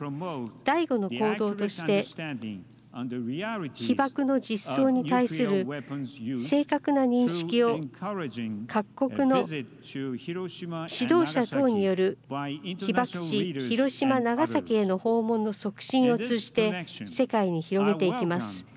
第５の行動として被爆の実装に対する正確な認識を各国の指導者等による被爆地、広島、長崎への訪問の促進を通じて世界に広げてきます。